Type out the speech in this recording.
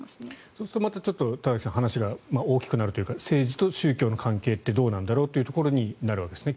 そうするとまたちょっと田崎さん話が大きくなるというか政治と宗教の関係ってどうなんだろうというところになるわけですね